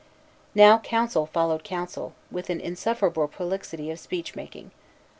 Now council followed council, with an insufferable prolixity of speech making.